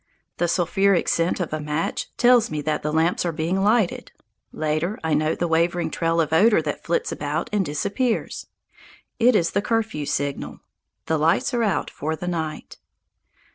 The sulphuric scent of a match tells me that the lamps are being lighted. Later I note the wavering trail of odour that flits about and disappears. It is the curfew signal; the lights are out for the night.